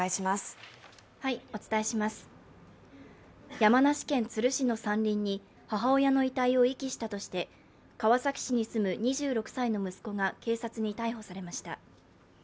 山梨県都留市の山林に母親の遺体を遺棄したとして川崎市に住む２６歳の息子が警察に逮捕されました。